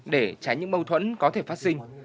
để tránh những mâu thuẫn có thể phát sinh